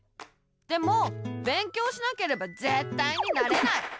でも勉強しなければぜったいになれない！